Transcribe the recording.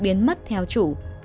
biến mất theo chủ